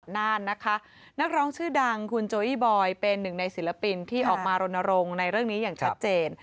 นั่นนะคะนักร้องชื่อดังคุณโจอี้บอยเป็นหนึ่งในศิลปินที่ออกมารณรงค์ในเรื่องนี้อย่างชัดเจน